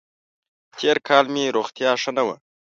تېر کال مې روغتیا ښه نه وه.